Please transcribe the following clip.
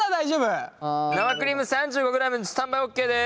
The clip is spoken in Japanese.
生クリーム３５ｇスタンバイＯＫです！